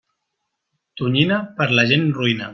Tonyina, per la gent roïna.